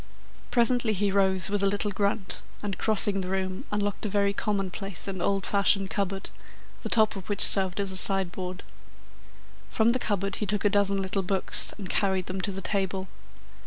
Presently he rose with a little grunt, and, crossing the room, unlocked a very commonplace and old fashioned cupboard, the top of which served as a sideboard. From the cupboard he took a dozen little books and carried them to the table.